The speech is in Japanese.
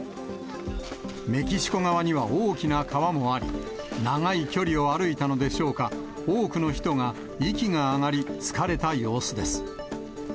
メキシコ側には大きな川もあり、長い距離を歩いたのでしょうか、多くの人が息があがり、疲れた様子です。